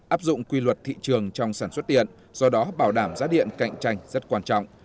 áp dụng quy luật thị trường trong sản xuất điện do đó bảo đảm giá điện cạnh tranh rất quan trọng